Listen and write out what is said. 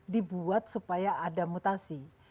dibuat supaya ada mutasi